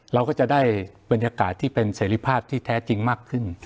เราก็จะได้บรรยากาศที่เป็นเสรีภาพที่แท้จริงมากขึ้น